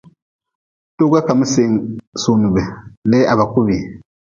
Toga ka mi sunibi lee ha ba ku bii.